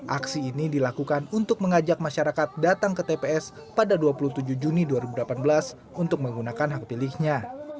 aksi ini dilakukan untuk mengajak masyarakat datang ke tps pada dua puluh tujuh juni dua ribu delapan belas untuk menggunakan hak pilihnya